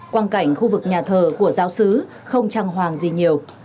quan cảnh khu vực nhà thờ của giáo sứ không trang hoàng gì nhiều